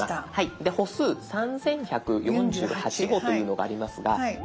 で「歩数３，１４８歩」というのがありますが。